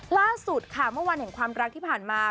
ล่าสุดค่ะเมื่อวันแห่งความรักที่ผ่านมา